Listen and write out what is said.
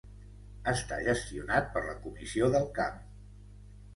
Està gestionat per la comissió del camp.